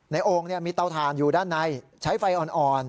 โอ่งมีเตาถ่านอยู่ด้านในใช้ไฟอ่อน